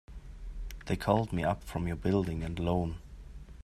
They called me up from your Building and Loan.